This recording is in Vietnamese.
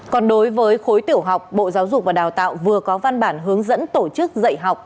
còn đối với khối tiểu học bộ giáo dục và đào tạo vừa có văn bản hướng dẫn tổ chức dạy học